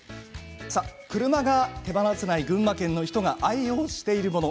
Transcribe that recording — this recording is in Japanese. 車が手放せない群馬の人が愛用しているもの